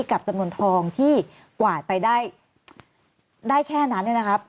กับจำนวนทองที่กวาดไปได้แค่นั้นเนี่ยนะครับ